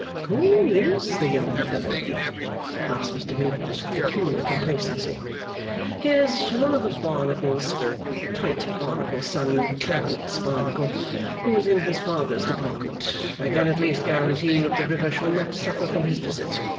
'Who is the young fellow?' asked Mr Meagles with peculiar complacency. 'He is one of the Barnacles. Tite Barnacle's son, Clarence Barnacle, who is in his father's Department. I can at least guarantee that the river shall not suffer from his visit.